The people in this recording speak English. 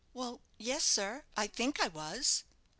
"Well, yes, sir, I think I was."